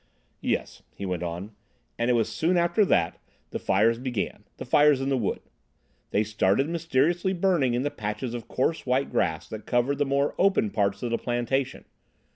"Yes," he went on, "and it was soon after that the fires began—the fires in the wood. They started mysteriously burning in the patches of coarse white grass that cover the more open parts of the plantation.